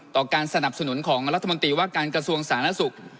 การสนับสนุนของรัฐมนตรีว่าการกระทรวงสาธารณสุข